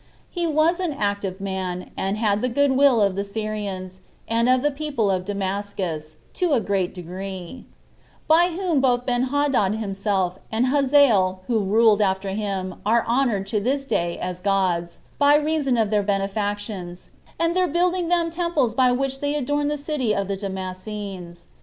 He was an active man, and had the good will of the Syrians, and of the people of Damascus, to a great degree; by whom both Benhadad himself, and Hazael, who ruled after him, are honored to this day as gods, by reason of their benefactions, and their building them temples by which they adorned the city of the Damascenes.